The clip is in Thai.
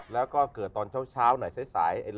แล้วก็เกิดตอนเช้าหน่อยสาย